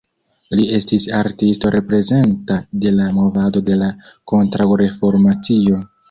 Li estis artisto reprezenta de la movado de la Kontraŭreformacio.